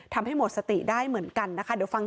ทำให้หมดสติได้เหมือนกันนะครับ